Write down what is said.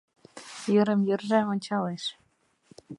Йырым-йырже ончалеш